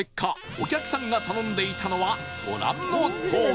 お客さんが頼んでいたのはご覧のとおり